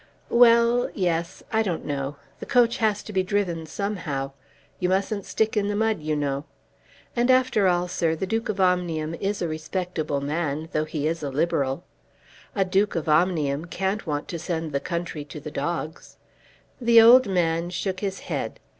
"Well; yes; I don't know. The coach has to be driven somehow. You mustn't stick in the mud, you know. And after all, sir, the Duke of Omnium is a respectable man, though he is a Liberal. A Duke of Omnium can't want to send the country to the dogs." The old man shook his head.